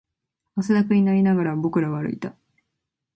汗だくになりながら、僕らは歩いた